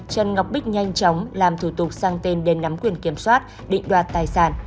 trần ngọc bích nhanh chóng làm thủ tục sang tên đến nắm quyền kiểm soát định đoạt tài sản